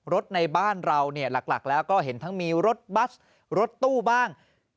รถในบ้านเราเนี่ยหลักแล้วก็เห็นทั้งมีรถบัสรถตู้บ้าง